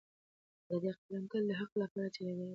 د ده قلم تل د حق لپاره چلیدلی دی.